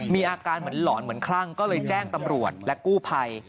มีอาการเหมือนหลอนเหมือนคลั่งก็เลยแจ้งตำรวจและกู้ภัย